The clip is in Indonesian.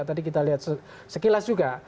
tadi kita lihat sekilas juga